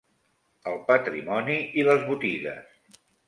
El patrimoni i les botigues